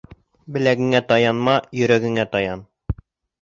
Беләгеңә таянма, йөрәгеңә таян.